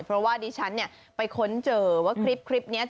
เพราะว่าดิฉันเนี่ยไปค้นเจอว่าคลิปเนี่ย